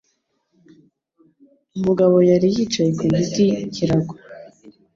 Umugabo yari yicaye ku giti cyiragwa.